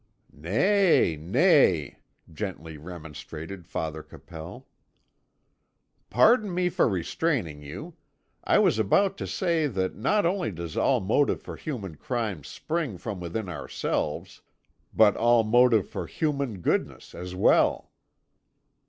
"Nay, nay," gently remonstrated Father Capel. "Pardon me for restraining you. I was about to say that not only does all motive for human crime spring from within ourselves, but all motive for human goodness as well.